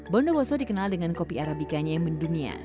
bondo woso dikenal dengan kopi arabikanya yang mendunia